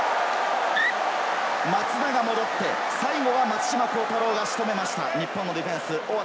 松田が戻って最後は松島幸太朗が仕留めました、日本のディフェンス。